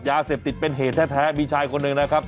ยาเสพติดเป็นเหตุแท้มีชายคนหนึ่งนะครับ